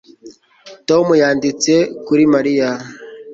Tom yanditse kuri Mariya